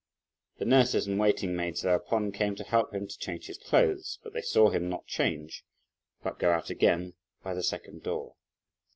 The nurses and waiting maids thereupon came to help him to change his clothes; but they saw him not change, but go out again by the second door.